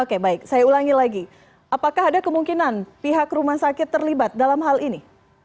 oke baik saya ulangi lagi apakah ada kemungkinan pihak rumah sakit terlibat dalam hal ini